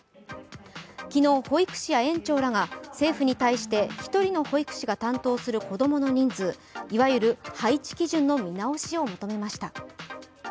昨日、保育士や園長などが政府に対して、１人の保育士が担当する子供の人数いわゆる配置基準の見直しを求めました。